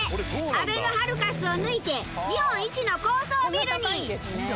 あべのハルカスを抜いて日本一の高層ビルに！